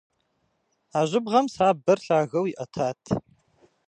А жьыбгъэм сабэр лъагэу иӏэтат.